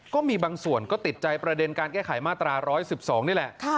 ก็มีบางส่วนก็ติดใจประเด็นการแก้ไขมาตรา๑๑๒นี่แหละ